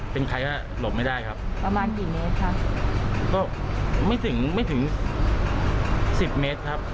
เป็นใครฮะหลบไม่ได้ครับประมาณกี่เมตรค่ะก็ไม่ถึงไม่ถึงสิบเมตรครับ